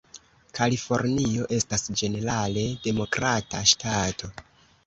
Kalifornio estas ĝenerale Demokrata ŝtato.